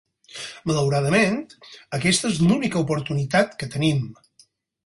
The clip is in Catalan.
Malauradament, aquesta és l'única oportunitat que tenim.